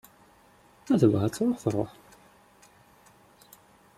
Ma tebɣa ad tṛuḥ, tṛuḥ.